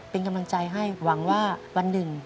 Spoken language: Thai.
เป็นกำลังใจให้หวังว่าวันหนึ่ง